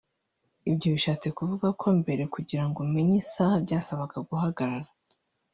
Ibyo bishatse kuvuga ko mbere kugirango umenye isaha byasabaga guhagarara